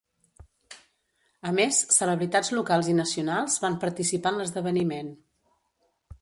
A més, celebritats locals i nacionals van participar en l'esdeveniment.